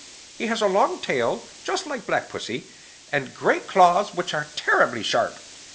"He has a long tail, just like Black Pussy, and great claws which are terribly sharp.